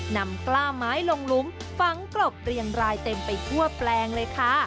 นำกล้าไม้ลงหลุมฝังกรบเรียงรายเต็มไปทั่วแปลงเลยค่ะ